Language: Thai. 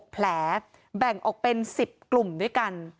๖แผลแบ่งออกเป็น๑๐กลุ่มด้วยกัน